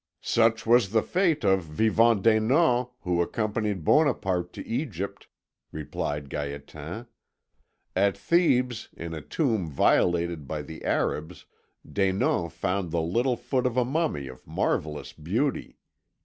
"Such was the fate of Vivant Denon, who accompanied Bonaparte to Egypt," replied Gaétan. "At Thebes, in a tomb violated by the Arabs, Denon found the little foot of a mummy of marvellous beauty.